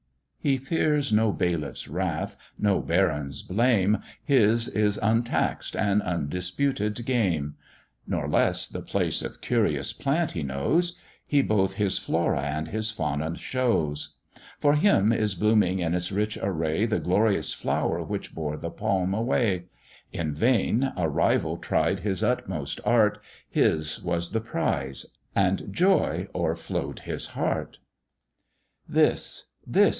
He fears no bailiff's wrath, no baron's blame, His is untax'd and undisputed game: Nor less the place of curious plant he knows; He both his Flora and his Fauna shows; For him is blooming in its rich array The glorious flower which bore the palm away; In vain a rival tried his utmost art, His was the prize, and joy o'erflow'd his heart. "This, this!